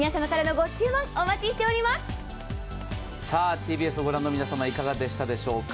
ＴＢＳを御覧の皆様、いかがでしたでしょうか。